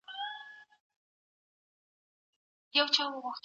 د دلارام ولسوالي د واشېر له ولسوالۍ سره تاریخي اړیکې لري.